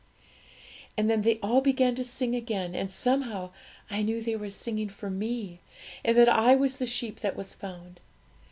'And then they all began to sing again, and somehow I knew they were singing for me, and that I was the sheep that was found.